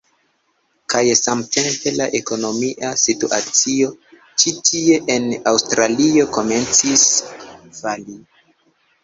kaj samtempe la ekonomia situacio ĉi tie en Aŭstralio komencis fali.